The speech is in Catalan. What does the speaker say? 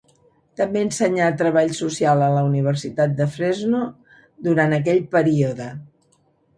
També ensenyà treball social a la Universitat Estatal de Fresno durant aquest període.